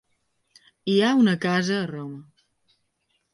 Hi ha una casa a Roma.